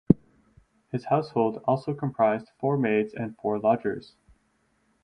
His household also comprised four maids and four lodgers.